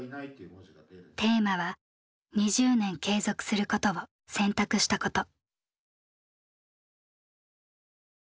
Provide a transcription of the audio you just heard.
テーマは「２０年継続することを選択したこと」。